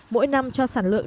mỗi năm cho sản lượng